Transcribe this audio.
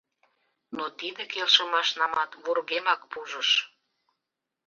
Но тиде келшымашнамат вургемак пужыш.